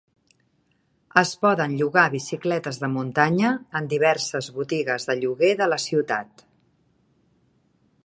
Es poden llogar bicicletes de muntanya en diverses botigues de lloguer de la ciutat.